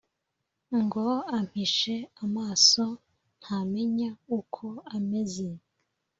ngo ampishe amaso ntamenya uko ameze.